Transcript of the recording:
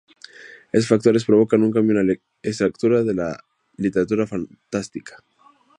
Estos factores provocan un cambio en la estructura de la literatura fantástica.